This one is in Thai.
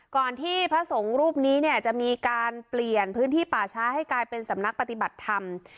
ที่พระสงฆ์รูปนี้เนี่ยจะมีการเปลี่ยนพื้นที่ป่าช้าให้กลายเป็นสำนักปฏิบัติธรรม